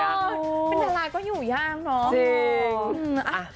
เป็นดาราก็อยู่ยากเนาะ